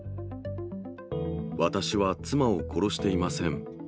私は妻を殺していません。